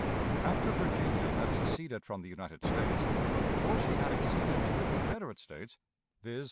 After Virginia had seceded from the United States, but before she had acceded to the Confederate States viz.